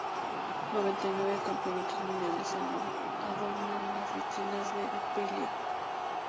Noventa y nueve campeonatos mundiales adornan las vitrinas de Aprilia.